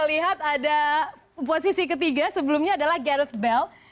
kita lihat ada posisi ketiga sebelumnya adalah gareth bale